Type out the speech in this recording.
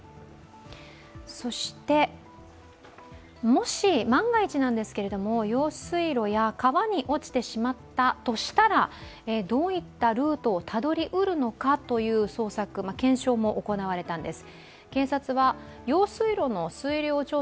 もし万が一、用水路や川に落ちてしまったとしたらどういったルートをたどりうるのかという検証も行われたんです。